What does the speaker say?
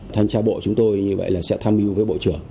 thanh tra bộ chúng tôi như vậy là sẽ tham mưu với bộ trưởng